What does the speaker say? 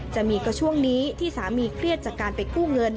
จะมีก็ช่วงนี้ที่สามีเครียดจากการไปกู้เงิน